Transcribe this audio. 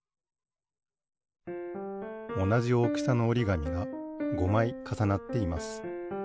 おなじおおきさのおりがみが５まいかさなっています。